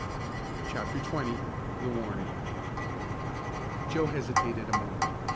CHAPTER XX THE WARNING Joe hesitated a moment.